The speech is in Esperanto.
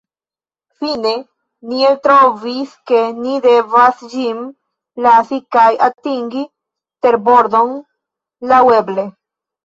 Fine, ni eltrovis ke ni devas ĝin lasi, kaj atingi terbordon laŭeble.